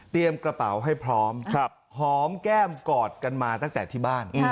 กระเป๋าให้พร้อมหอมแก้มกอดกันมาตั้งแต่ที่บ้าน